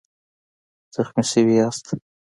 زخمي شوی یاست؟